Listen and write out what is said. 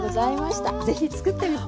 是非作ってみて。